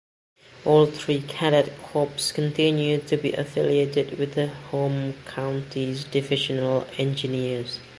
All three cadet corps continued to be affiliated to the Home Counties Divisional Engineers.